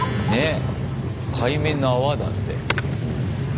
海面の泡だって。